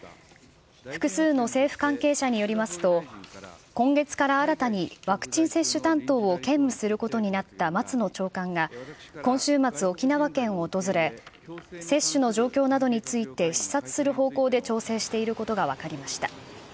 複数の政府関係者によりますと、今月から新たにワクチン接種担当を兼務することになった松野長官が、今週末、沖縄県を訪れ、接種の状況などについて、視察する方向で調整していることが分かりました。